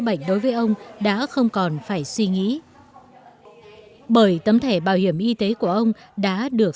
bệnh đối với ông đã không còn phải suy nghĩ bởi tấm thẻ bảo hiểm y tế của ông đã được